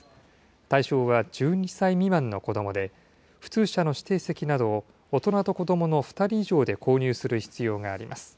対象は１２歳未満の子どもで、普通車の指定席などを大人と子どもの２人以上で購入する必要があります。